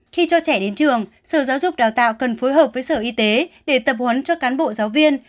khi cho trẻ đến trường sở giáo dục đào tạo cần phối hợp với sở y tế để tập huấn cho cán bộ giáo viên